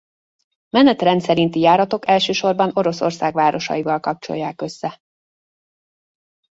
Menetrend szerinti járatok elsősorban Oroszország városaival kapcsolják össze.